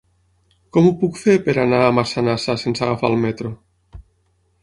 Com ho puc fer per anar a Massanassa sense agafar el metro?